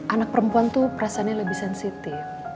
anak perempuan tuh perasaannya lebih sensitif